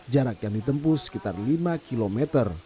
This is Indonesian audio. jarak yang ditempuh sekitar lima km